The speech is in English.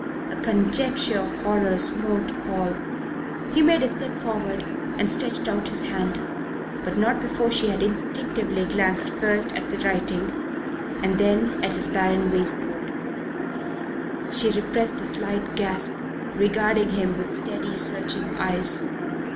A conjecture of horror smote Paul. He made a step forward and stretched out his hand; but not before she had instinctively glanced first at the writing and then at his barren waistcoat. She repressed a slight gasp, regarding him with steady, searching eyes.